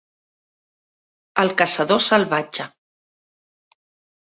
El caçador salvatge